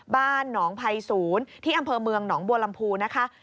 บ้านหนองภัยศูนย์ที่อำเภอเมืองหนองบัวลำพูนะคะ